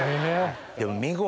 でも見事。